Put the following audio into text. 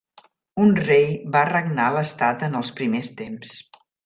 Un rei va regnar l'estat en els primers temps.